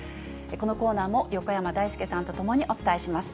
このコーナーも、横山だいすけさんと共にお伝えします。